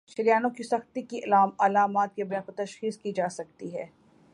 شریانوں کی سختی کی علامات کی بنیاد پر تشخیص کی جاسکتی ہے